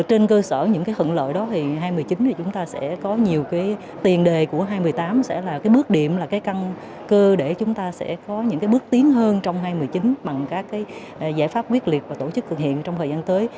trên cơ sở những thuận lợi đó thì hai nghìn một mươi chín thì chúng ta sẽ có nhiều tiền đề của hai nghìn một mươi tám sẽ là bước điểm là cái căn cơ để chúng ta sẽ có những bước tiến hơn trong hai nghìn một mươi chín bằng các giải pháp quyết liệt và tổ chức thực hiện trong thời gian tới